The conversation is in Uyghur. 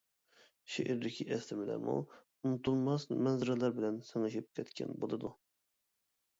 شېئىردىكى ئەسلىمىلەرمۇ ئۇنتۇلماس مەنزىرىلەر بىلەن سىڭىشىپ كەتكەن بولىدۇ.